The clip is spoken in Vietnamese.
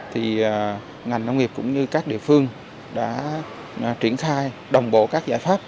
thì ngành nông nghiệp cũng như các địa phương đã triển khai đồng bộ các giải pháp